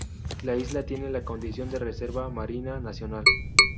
La isla tiene la condición de Reserva marina Nacional.